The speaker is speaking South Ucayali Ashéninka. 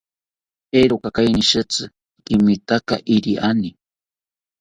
Eeroka kainishitzi kimataka iriani